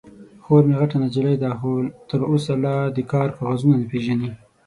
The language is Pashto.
_خور مې غټه نجلۍ ده، خو تر اوسه لا د کار کاغذونه نه پېژني.